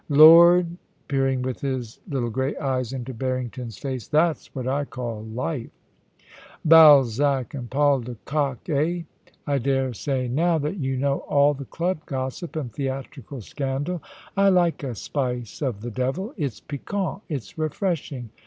Lord !' peering with his little grey eyes into Harrington's face, * that's what I call life, Balzac and Paul de Kock, eh ? I dare say now that you know all the club gossip and theatrical scandal. I 24 POUCY AND PASSION. like a spice of the devil ; it's piquant, it's refreshing.